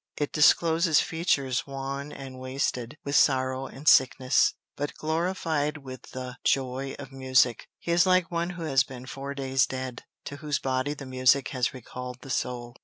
It discloses features wan and wasted with sorrow and sickness, but glorified with the joy of the music. He is like one who has been four days dead, to whose body the music has recalled the soul.